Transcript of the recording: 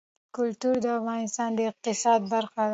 کلتور د افغانستان د اقتصاد برخه ده.